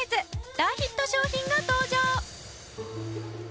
大ヒット商品が登場。